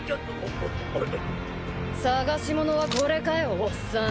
捜し物はこれかよおっさん。